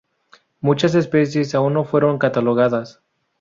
Muchas especies aún no fueron catalogadas.